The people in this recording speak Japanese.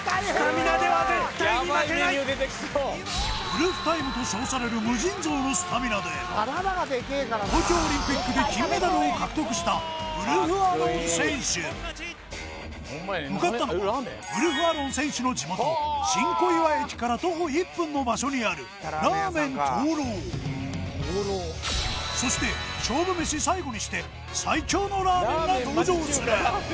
ウルフタイムと称される無尽蔵のスタミナで東京オリンピックで金メダルを獲得した向かったのはウルフアロン選手の地元新小岩駅から徒歩１分の場所にあるそして勝負メシ最後にして最強のラーメンが登場する！